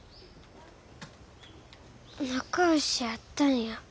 仲良しやったんや。